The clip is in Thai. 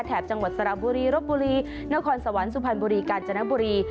จังหวัดสระบุรีรบบุรีนครสวรรค์สุพรรณบุรีกาญจนบุรี